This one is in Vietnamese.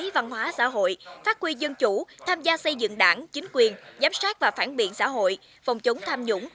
văn hóa xã hội phát quy dân chủ tham gia xây dựng đảng chính quyền giám sát và phản biện xã hội phòng chống tham nhũng